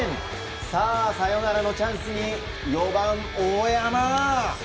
さあ、サヨナラのチャンスに４番、大山。